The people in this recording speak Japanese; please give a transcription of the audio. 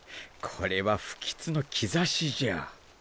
これは不吉の兆しじゃ。